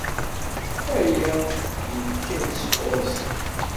Aya yekka-d sɣur-sen.